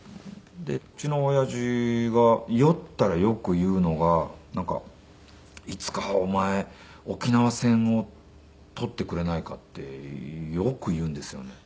うちの親父が酔ったらよく言うのが「いつかはお前沖縄戦を撮ってくれないか」ってよく言うんですよね。